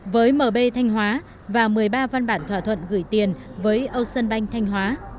với mb thanh hóa và một mươi ba văn bản thỏa thuận gửi tiền với ocean bank thanh hóa